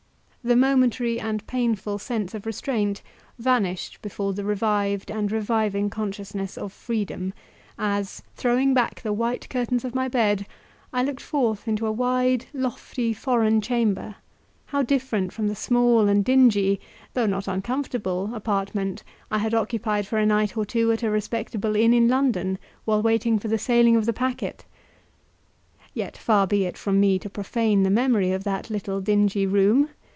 The momentary and painful sense of restraint vanished before the revived and reviving consciousness of freedom, as, throwing back the white curtains of my bed, I looked forth into a wide, lofty foreign chamber; how different from the small and dingy, though not uncomfortable, apartment I had occupied for a night or two at a respectable inn in London while waiting for the sailing of the packet! Yet far be it from me to profane the memory of that little dingy room!